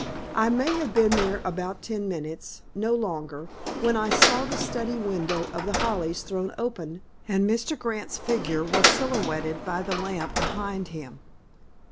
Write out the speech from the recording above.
I may have been there about ten minutes, no longer, when I saw the study window of The Hollies thrown open, and Mr. Grant's figure was silhouetted by the lamp behind him.